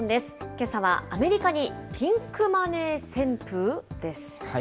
けさはアメリカにピンクマネー旋風？です。